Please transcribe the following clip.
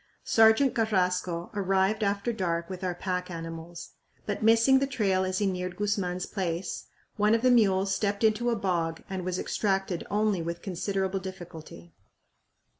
Sergeant Carrasco arrived after dark with our pack animals, but, missing the trail as he neared Guzman's place, one of the mules stepped into a bog and was extracted only with considerable difficulty.